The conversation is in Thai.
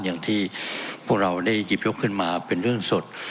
อย่างที่พวกเราได้หยิบยกขึ้นมาเป็นเรื่องสด